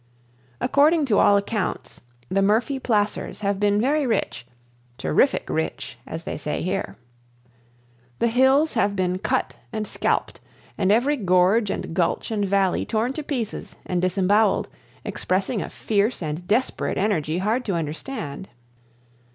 According to all accounts, the Murphy placers have been very rich—"terrific rich," as they say here. The hills have been cut and scalped, and every gorge and gulch and valley torn to pieces and disemboweled, expressing a fierce and desperate energy hard to understand.